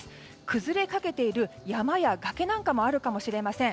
崩れかけている山や崖なんかもあるかもしれません。